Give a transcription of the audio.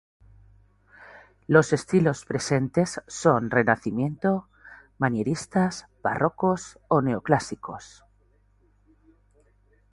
Los estilos presentes son renacimiento, manieristas, barrocos o neoclásicos.